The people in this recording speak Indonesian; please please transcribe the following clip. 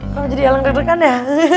kamu jadi elang deg degan ya